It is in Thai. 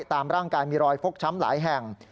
ตามร่างกายมีรอยฟกช้ำหลายแห่ง